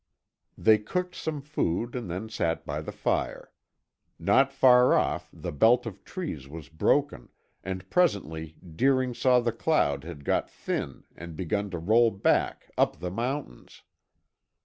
They cooked some food and then sat by the fire. Not far off the belt of trees was broken, and presently Deering saw the cloud had got thin and begun to roll back, up the mountains.